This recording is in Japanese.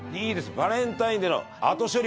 バレンタインの後処理？